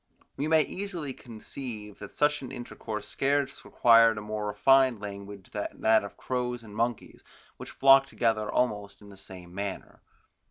We may easily conceive that such an intercourse scarce required a more refined language than that of crows and monkeys, which flock together almost in the same manner.